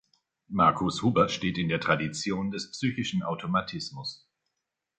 Markus Huber steht in der Tradition des psychischen Automatismus.